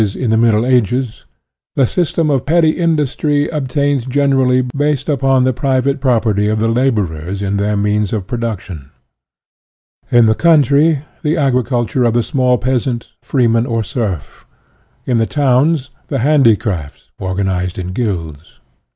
in the Middle Ages, the system of petty industry obtained generally, based upon the private property of the laborers in their means of production; in the country, the agriculture of the small peasant, freeman or serf; in the towns, the handicrafts organized in guilds.